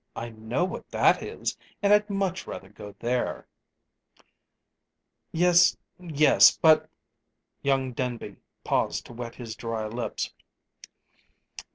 I know what that is, and I'd much rather go there." "Yes, yes, but " Young Denby paused to wet his dry lips.